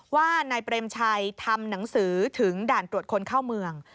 ว่านายเปรมชัยทำหนังสือถึงด่านตรวจคนเข้าเมือง